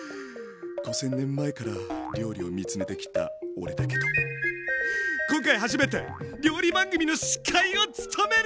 ５，０００年前から料理を見つめてきた俺だけど今回初めて料理番組の司会を務めるぜ！